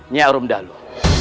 nyi arum dalu